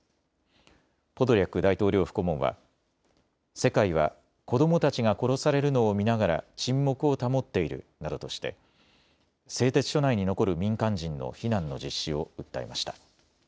ポドリャク大統領府顧問は世界は子どもたちが殺されるのを見ながら沈黙を保っているなどとして製鉄所内に残る民間人の避難の実施を訴えました。